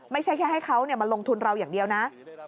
ไม่ใช่แค่ให้เขามาลงทุนเราอย่างเดียวนะ